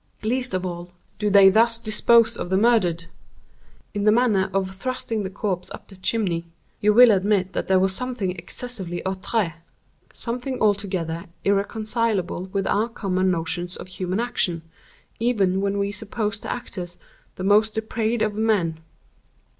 Least of all, do they thus dispose of the murdered. In the manner of thrusting the corpse up the chimney, you will admit that there was something excessively outré—something altogether irreconcilable with our common notions of human action, even when we suppose the actors the most depraved of men.